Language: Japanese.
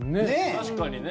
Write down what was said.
確かにね。